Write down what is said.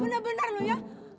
bener bener lu ya